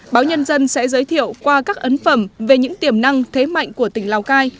báo nhân dân sẽ giới thiệu qua các ấn phẩm về những tiềm năng thế mạnh của tỉnh lào cai